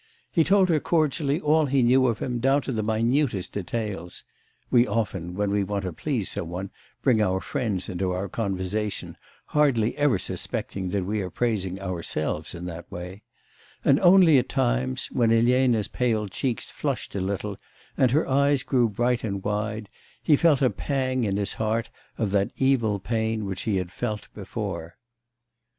He told her cordially all he knew of him down to the minutest details (we often, when we want to please some one, bring our friends into our conversation, hardly ever suspecting that we are praising ourselves in that way), and only at times, when Elena's pale cheeks flushed a little and her eyes grew bright and wide, he felt a pang in his heart of that evil pain which he had felt before.